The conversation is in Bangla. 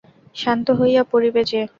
শ্রান্ত হইয়া পড়িবে যে।